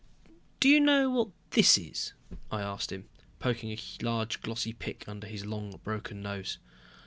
"Do you know what this is?" I asked him, poking a large glossy pic under his long broken nose.